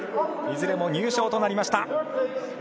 いずれも入賞となりました。